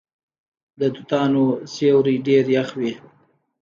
د توتانو سیوری ډیر یخ وي.